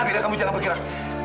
amira kamu jangan bergerak